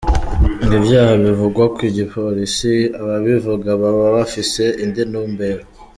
Ngo ivyaha bivugwa ku gipolisi, ababivuga baba bafise indi ntumbero.